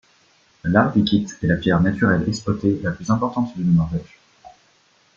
La larvikite est la pierre naturelle exploitée la plus importante de Norvège.